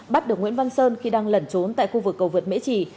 bắt được nguyễn văn sơn khi đang lẩn trốn tại khu vực cầu vượt mễ trì